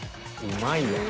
うまいわ。